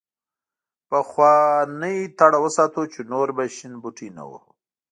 پخوانۍ تړه وساتو چې نور به شین بوټی نه وهو.